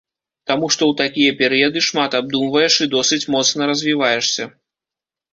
Таму што ў такія перыяды шмат абдумваеш і досыць моцна развіваешся.